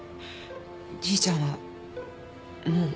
じいちゃんはもう。